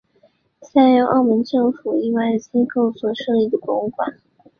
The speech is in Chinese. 下列是由澳门政府以外的机构所设立的博物馆。